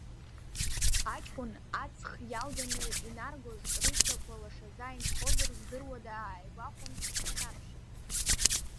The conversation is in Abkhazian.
Аҷкәын аҵх иалганы инаргоз рышьҭақәа лашаӡа инхозар здыруада ааигәахәын, дхьаԥшит.